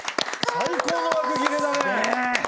最高の幕切れだね。